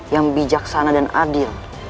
yang bijaksana dan adil